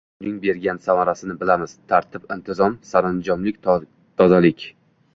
Buning bergan samarasini bilamiz – tartib-intizom, saranjomlik, tozalik.